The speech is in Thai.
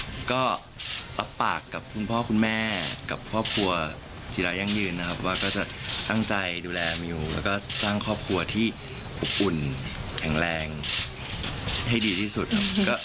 แล้วก็รับปากกับคุณพ่อคุณแม่กับครอบครัวจิรายั่งยืนนะครับว่าก็จะตั้งใจดูแลมิวแล้วก็สร้างครอบครัวที่อบอุ่นแข็งแรงให้ดีที่สุดครับ